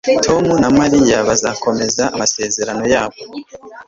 Tom na Mariya bazakomeza amasezerano yabo.